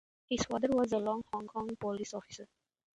His father was also a Hong Kong Police officer.